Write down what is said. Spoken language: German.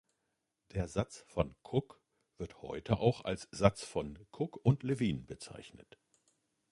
Der Satz von Cook wird heute auch als Satz von Cook und Levin bezeichnet.